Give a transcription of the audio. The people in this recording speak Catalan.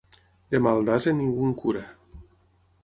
De mal d'ase, ningú en cura.